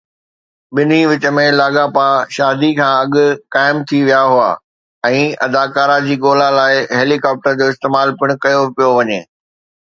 ٻنهي وچ ۾ لاڳاپا شادي کان اڳ قائم ٿي ويا هئا ۽ اداڪارا جي ڳولا لاءِ هيلي ڪاپٽر جو استعمال پڻ ڪيو پيو وڃي